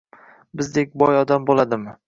bizdek boy odam bo‘ladimi?